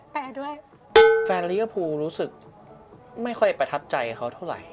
แต่ด้วยแฟนลิเวอร์พูลรู้สึกไม่ค่อยประทับใจเขาเท่าไหร่